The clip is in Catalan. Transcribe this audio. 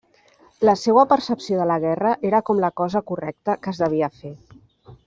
La seua percepció de la guerra era com la cosa correcta que es devia fer.